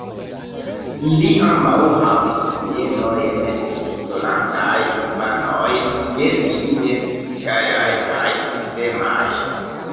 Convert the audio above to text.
Ili ambaŭ havis mienojn de petolantaj infanoj, tiel ili estis gajaj kaj ridemaj.